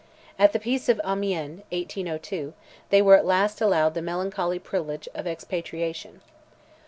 At the peace of Amiens, (1802), they were at last allowed the melancholy privilege of expatriation.